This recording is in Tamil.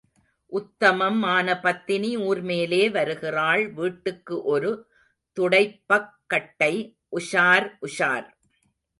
உத்தமம் ஆன பத்தினி ஊர்மேலே வருகிறாள் வீட்டுக்கு ஒரு துடைப்பக்கட்டை, உஷார், உஷார்.